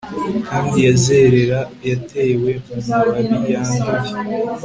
kandi yazerera yatewe mumababi yanduye